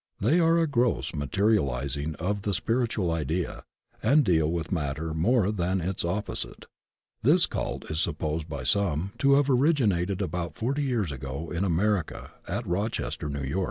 They are a gross materializing of the spiritual idea, and deal with matter more than with its opposite. This cult is supposed by some to have originated about forty years ago in America at Rochester, N. Y.